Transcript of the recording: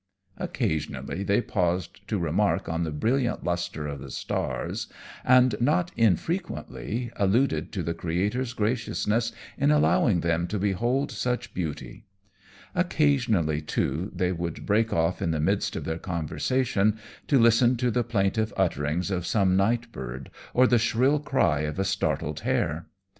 Occasionally they paused to remark on the brilliant lustre of the stars, and, not infrequently, alluded to the Creator's graciousness in allowing them to behold such beauty. Occasionally, too, they would break off in the midst of their conversation to listen to the plaintive utterings of some night bird or the shrill cry of a startled hare.